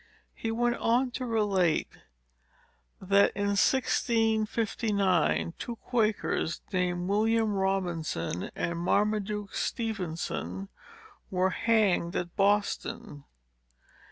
He went on to relate, that, in 1659, two Quakers, named William Robinson and Marmaduke Stephenson, were hanged at Boston.